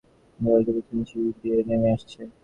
বিড়ালটিও দেখলাম ঠিক আমার পেছনেই সংকীর্ণ সিঁড়ি বেয়ে নেমে আসছে।